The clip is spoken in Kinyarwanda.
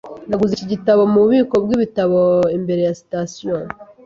Naguze iki gitabo mububiko bwibitabo imbere ya sitasiyo.